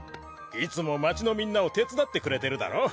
いつも街のみんなを手伝ってくれてるだろ？